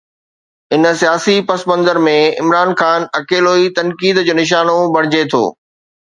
ان سياسي پسمنظر ۾ عمران خان اڪيلو ئي تنقيد جو نشانو بڻجي ٿو.